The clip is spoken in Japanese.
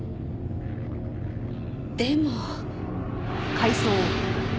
でも。